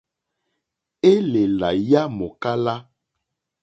Élèlà yá mòkálá.